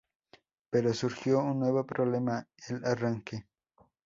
Pero surgió un nuevo problema: el arranque.